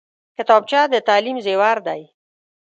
کتابچه د تعلیم زیور دی